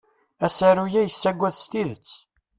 Asaru-a yessagad s tidet.